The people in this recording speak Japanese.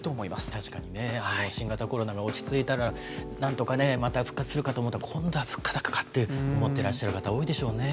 確かにね、新型コロナが落ち着いたらなんとかまた復活するかと思ったら、今度は物価高かって思ってらっしゃる方多いんでしょうね。